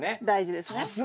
大事ですね。